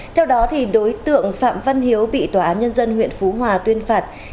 theo đó đối tượng phạm văn hiếu bị tòa án nhân dân huyện phú hòa tuyên phạt